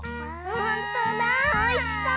ほんとだおいしそう！